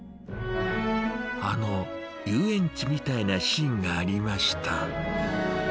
あの遊園地みたいなシーンがありました。